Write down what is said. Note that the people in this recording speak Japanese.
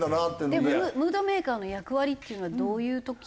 でもムードメーカーの役割っていうのはどういう時に。